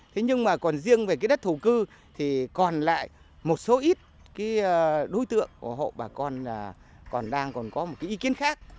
thế nhưng mà còn riêng về đất thủ cư thì còn lại một số ít đối tượng của hộ bà con còn đang có một ý kiến khác